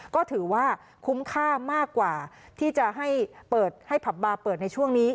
ก็ถือว่าคุ้มค่ามากกว่าที่จะให้เปิดให้ผับบาร์เปิดในช่วงนี้